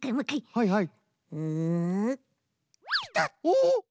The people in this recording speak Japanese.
はいはい。